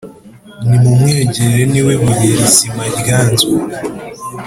Nimumwegere ni we Buye rizima ryanzwe